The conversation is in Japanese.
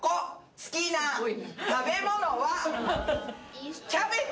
好きな食べ物はキャベツ。